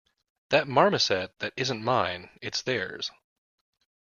That marmoset that isn't mine; it's theirs!